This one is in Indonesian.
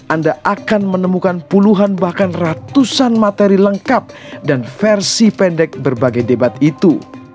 anda akan menemukan puluhan bahkan ratusan materi lengkap dan versi pendek berbagai debat itu